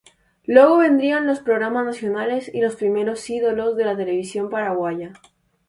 Luego vendrían los programas nacionales y los primeros ídolos de la televisión paraguaya.